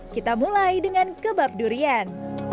kita mulai dengan kebab durian